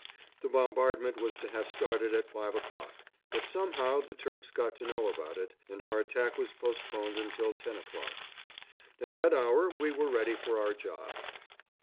The bombardment was to have started at five o'clock; but somehow the Turks got to know about it, and our attack was postponed till ten o'clock. At that hour we were ready for our job.